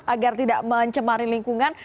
agar tidak mencemari lingkungan